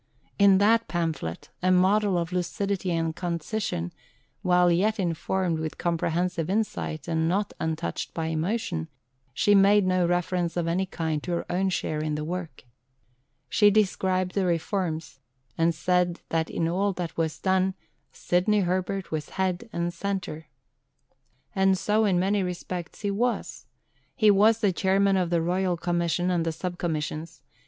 In that pamphlet a model of lucidity and concision while yet informed with comprehensive insight, and not untouched by emotion she made no reference of any kind to her own share in the work. She described the reforms, and said that in all that was done "Sidney Herbert was head and centre." And so in many respects he was. He was the Chairman of the Royal Commission and the Sub Commissions.